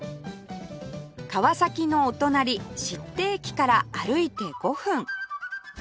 川崎のお隣尻手駅から歩いて５分